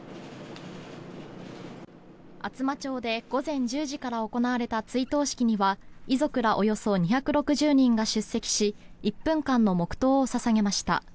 厚真町で午前１０時から行われた追悼式には遺族らおよそ２６０人が出席し１分間の黙祷を捧げました。